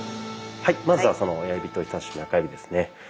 はいまずはその親指と人さし指中指ですね。